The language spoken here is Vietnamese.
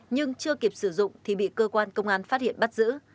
nhưng chưa kịp sử dụng thì bị cơ quan công an phát hiện bắt giữ